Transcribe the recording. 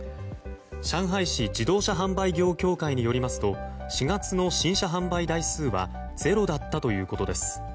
上海市自動車販売業協会によりますと４月の新車販売台数は０だったということです。